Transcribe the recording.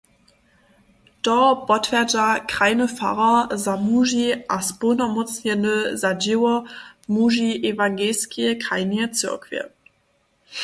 To potwjerdźa krajny farar za muži a społnomócnjeny za dźěło muži ewangelskeje krajneje cyrkwje.